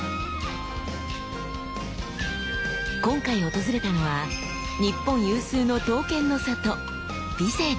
今回訪れたのは日本有数の刀剣の里備前！